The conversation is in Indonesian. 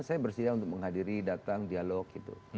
saya bersedia untuk menghadiri datang dialog gitu